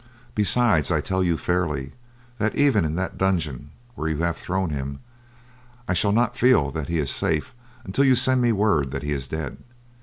Besides, I tell you fairly, that even in that dungeon where you have thrown him I shall not feel that he is safe until you send me word that he is dead.